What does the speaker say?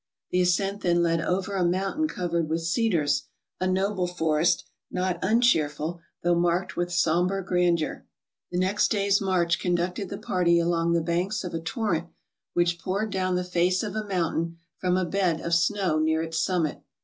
The ascent then led over a mountain covered with cedars, a noble forest, not uncheerful, though marked with sombre grandeur. The next day's march conducted the party along the banks of a torrent which poured down the face of a mountain from a bed of snow near its summit.